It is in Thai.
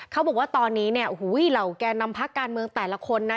เขาบอกว่าตอนนี้เนี่ยโอ้โหเหล่าแก่นำพักการเมืองแต่ละคนนะ